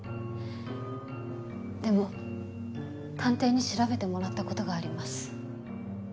でも探偵に調べてもらったことがあります。